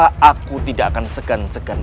karena aku tidak akan segan segan